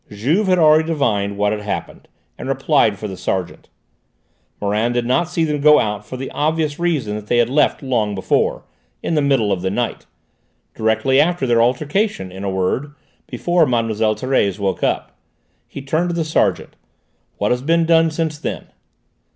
Juve had already divined what had happened, and replied for the sergeant. "Morand did not see them go out for the obvious reason that they had left long before in the middle of the night, directly after their altercation: in a word, before Mlle. Thérèse woke up." He turned to the sergeant. "What has been done since then?"